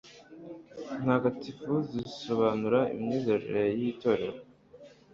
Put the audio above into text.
ntagatifu zisobanura imyizerere y itorero